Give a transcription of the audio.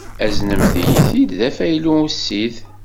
Aznemt-iyi-t-id d afaylu ussid.